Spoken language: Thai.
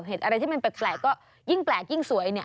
อะไรที่มันแปลกก็ยิ่งแปลกยิ่งสวยเนี่ย